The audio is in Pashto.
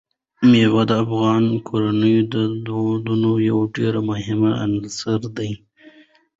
مېوې د افغان کورنیو د دودونو یو ډېر مهم عنصر دی.